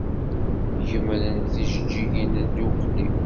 Gemren-d tijeǧǧigin ddukkli.